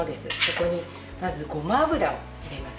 ここにまず、ごま油を入れます。